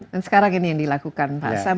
dan sekarang ini yang dilakukan pak sam